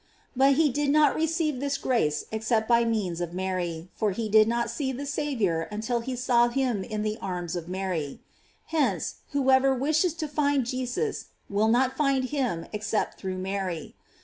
"f But he did not receive this grace except by means of Mary, for he did not see the Saviour until he saw him in the arms of Mary. Hence, whoever wishes to find Jesus, will not find him except through Mary.